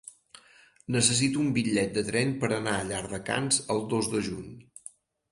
Necessito un bitllet de tren per anar a Llardecans el dos de juny.